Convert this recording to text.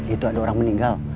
itu ada orang meninggal